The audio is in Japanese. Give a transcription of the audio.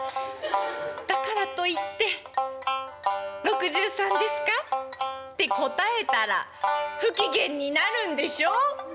だからといって「６３ですか？」って答えたら不機嫌になるんでしょ？